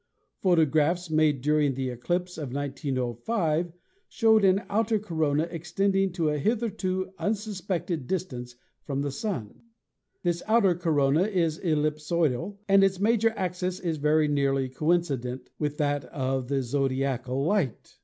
Pho tographs made during the eclipse of 1905 showed an outer corona extending to a hitherto unsuspected distance from the Sun. This outer corona is ellipsoidal and its major axis is very nearly coincident with that of the zodiacal light.